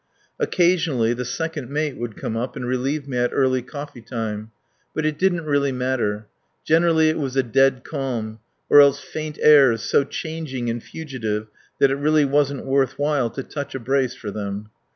Occasionally the second mate would come up and relieve me at early coffee time. But it didn't really matter. Generally it was a dead calm, or else faint airs so changing and fugitive that it really wasn't worth while to touch a brace for them.